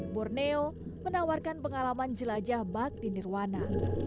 borneo menawarkan pengalaman jelajah bak di nirwana